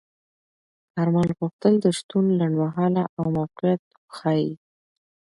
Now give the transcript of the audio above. کارمل غوښتل د شتون لنډمهاله او موقت وښيي.